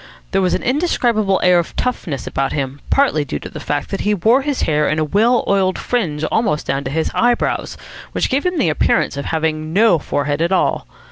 There was an indescribable air of toughness about him, partly due to the fact that he wore his hair in a well oiled fringe almost down to his eyebrows, which gave him the appearance of having no forehead at all.